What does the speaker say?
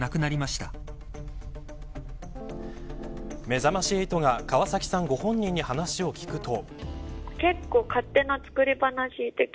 めざまし８が川崎さんご本人に話を聞くと。